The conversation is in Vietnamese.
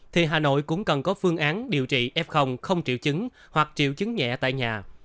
thì hà nội cũng cần có phương án điều trị f không triệu chứng hoặc triệu chứng nhẹ tại nhà